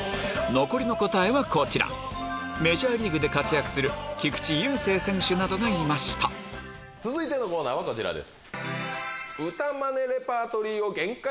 残りの答えはこちらメジャーリーグで活躍する菊池雄星選手などがいました続いてのコーナーはこちらです。